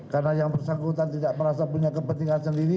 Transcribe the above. karena yang bersangkutan tidak merasa punya kepentingan sendiri